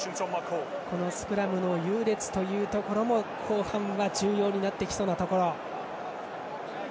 スクラムの優劣というところも後半は重要になってきそうです。